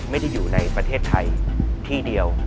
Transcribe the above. ไม่ได้อยู่ในประเทศไทยที่เดียว